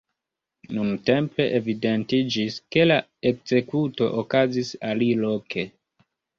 Nuntempe evidentiĝis, ke la ekzekuto okazis aliloke.